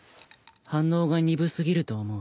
反応が鈍すぎると思う。